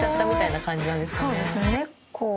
そうですね。